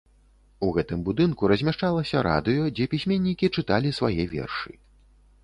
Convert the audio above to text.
У гэтым будынку размяшчалася радыё, дзе пісьменнікі чыталі свае вершы.